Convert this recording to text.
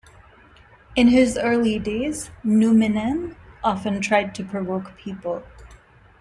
In his early days Numminen often tried to provoke people.